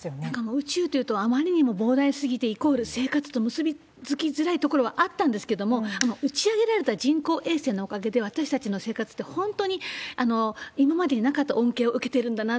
宇宙というとあまりにも膨大すぎて、イコール生活と結びつきづらいところはあったんですけれども、打ち上げられた人工衛星のおかげで、私たちの生活って本当に今までになかった恩恵を受けてるんだな、